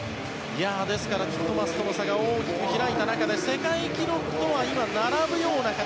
ですから、ティットマスとの差が大きく開いた中で世界記録とは今、並ぶような形。